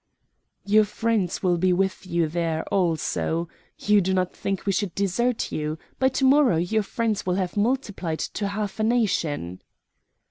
"Your friends will be with you there also. You do not think we should desert you; by to morrow your friends will have multiplied to half a nation."